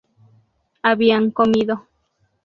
habían comido